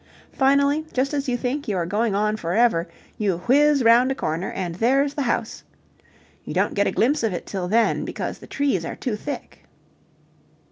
Finally, just as you think you are going on for ever, you whizz round a corner, and there's the house. You don't get a glimpse of it till then, because the trees are too thick.